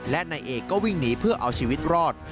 และนายเอกก็วิ่งหนีเพื่อเอาชีวิตรอด